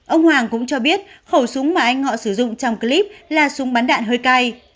ông hoàng cũng cho biết khẩu súng mà anh ngọ sử dụng trong clip là súng bắn đạn hơi cay